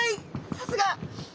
さすが！